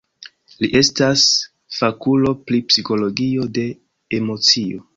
Li estas fakulo pri psikologio de emocio.